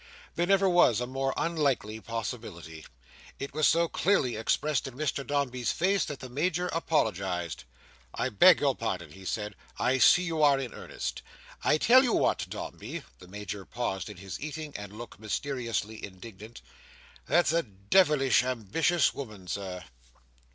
There never was a more unlikely possibility. It was so clearly expressed in Mr Dombey's face, that the Major apologised. "I beg your pardon," he said. "I see you are in earnest. I tell you what, Dombey." The Major paused in his eating, and looked mysteriously indignant. "That's a de vilish ambitious woman, Sir."